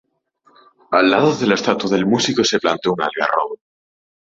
Al lado de la estatua del músico se plantó un algarrobo.